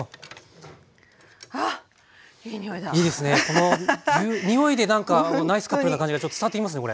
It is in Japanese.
この匂いでなんかナイスカップルな感じがちょっと伝わってきますね